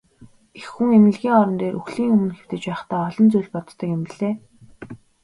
Эх хүн эмнэлгийн орон дээр үхлийн өмнө хэвтэж байхдаа олон зүйл боддог юм билээ.